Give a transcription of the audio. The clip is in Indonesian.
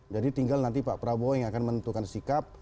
jadi tinggal nanti pak prabowo yang akan menentukan sikap